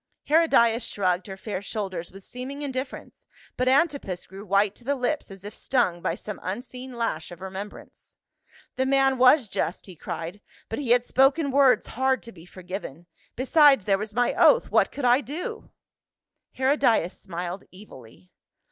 Herodias shrugged her fair shoulders with seeming indifference, but Antipas grew white to the lips as if stung by some unseen lash of remembrance. " The man was just," he cried, " but he had spoken words hard to be forgiven ; besides there was my oath, what could I do ?" HERODIAS. 147 Hcrodias smiled evilly.